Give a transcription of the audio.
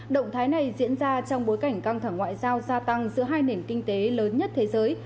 động thái này diễn ra trong bối cảnh căng thẳng ngoại giao gia tăng giữa hai nền kinh tế lớn nhất thế giới